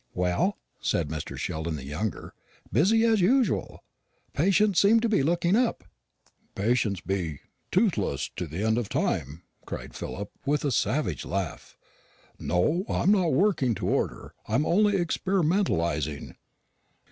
"Well," said Mr. Sheldon the younger, "busy as usual? Patients seem to be looking up." "Patients be toothless to the end of time!" cried Philip, with a savage laugh. "No, I'm not working to order; I'm only experimentalising."